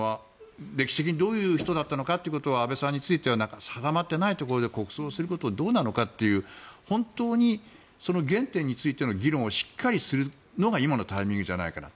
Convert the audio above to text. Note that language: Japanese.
歴史的にどういう人だったかっていうのが安倍さんについては定まっていないところで国葬をすることがどうなのかという本当にその原点についての議論をしっかりするのが今のタイミングじゃないかな。